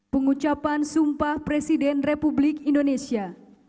pengucapan sumpah presiden republik indonesia